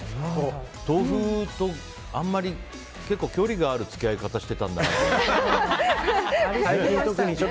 豆腐とあんまり距離がある付き合い方してたんだなって。